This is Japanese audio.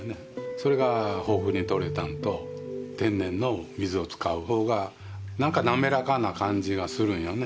それが豊富にとれたのと天然の水を使うほうがなんかなめらかな感じがするんよね